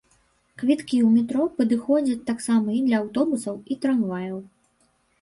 Квіткі ў метро падыходзяць таксама і для аўтобусаў і трамваяў.